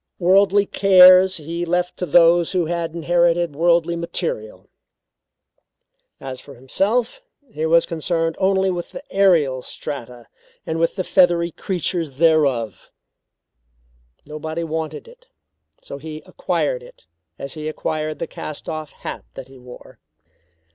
Worldly cares he left to those who had inherited worldly material; as for himself, he was concerned only with the aerial strata and with the feathery creatures thereof. Nobody wanted it; so he acquired it as he acquired the cast off hat that he wore.